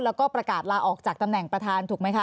แล้วก็ประกาศลาออกจากตำแหน่งประธานถูกไหมคะ